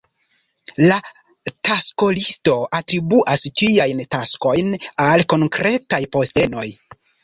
La taskolisto atribuas tiajn taskojn al konkretaj postenoj.